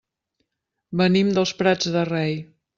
Venim dels Prats de Rei.